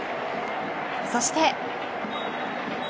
そして。